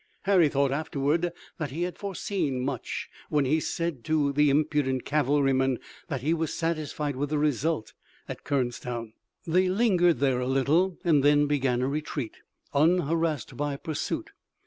Harry thought afterward that he had foreseen much when he said to the impudent cavalryman that he was satisfied with the result at Kernstown. They lingered there a little and then began a retreat, unharrassed by pursuit.